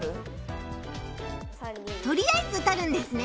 とりあえずとるんですね。